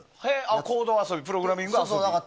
コード遊びプログラミング遊び？